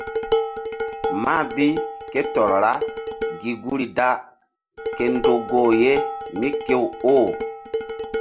Mah bi ké tɔr ra gi guri da ke ndo goh ye mí kew oh.